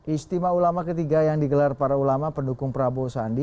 istimewa ulama ketiga yang digelar para ulama pendukung prabowo sandi